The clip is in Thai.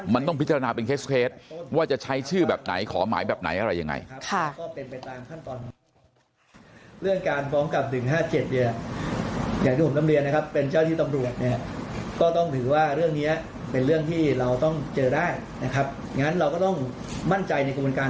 มันต้องพิจารณาเป็นเคสว่าจะใช้ชื่อแบบไหนขอหมายแบบไหนอะไรยังไง